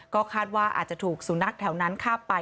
ก็คาดว่าอาจจะถูกสุนัขแถวนั้นฆ่าไป